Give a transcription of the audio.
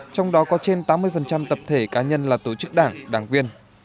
trong đó có trên tám mươi tập thể cá nhân là tổ chức đảng đảng viên